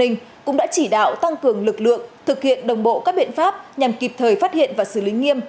nông đức quyền cũng đã chỉ đạo tăng cường lực lượng thực hiện đồng bộ các biện pháp nhằm kịp thời phát hiện và xử lý nghiêm